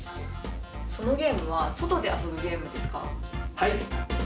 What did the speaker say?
そのゲームは外で遊ぶゲームはい。